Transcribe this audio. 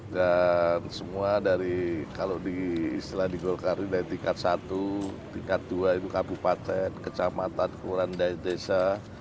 dan semua dari kalau di istilah di golkari dari tingkat satu tingkat dua itu kabupaten kecamatan kelurahan desa